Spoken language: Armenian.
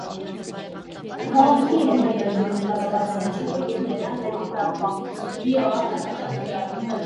Ընտանիքի երեք երեխաներից կրտսերն է, ունի երկու ավագ քույր։